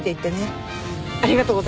ありがとうございます。